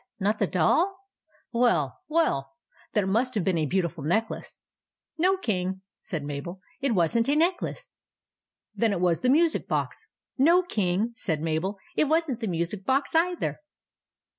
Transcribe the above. Not the Doll? Well, well! Then it must have been a beautiful neck lace." " No, King," said Mabel ;" it was n't a necklace." " Then it was the music box." " No, King," said Mabel ;" it was n't the music box, either."